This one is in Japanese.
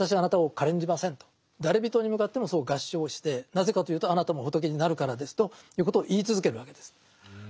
誰びとに向かってもそう合掌してなぜかというとあなたも仏になるからですということを言い続けるわけです。